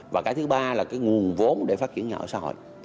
và cái thứ ba là cái nguồn vốn để phát triển nhà ở xã hội